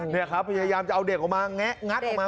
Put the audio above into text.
นี่ครับพยายามจะเอาเด็กออกมาแงะงัดออกมา